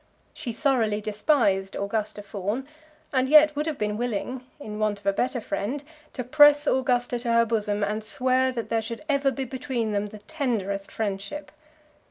She thoroughly despised Augusta Fawn, and yet would have been willing, in want of a better friend, to press Augusta to her bosom, and swear that there should ever be between them the tenderest friendship.